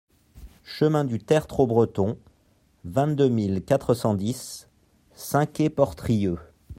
Chemin du Tertre au Breton, vingt-deux mille quatre cent dix Saint-Quay-Portrieux